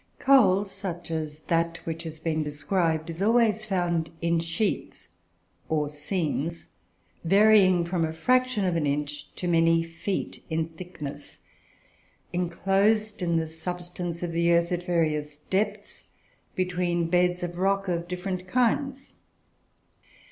Coal, such as that which has been described, is always found in sheets, or "seams," varying from a fraction of an inch to many feet in thickness, enclosed in the substance of the earth at very various depths, between beds of rock of different kinds.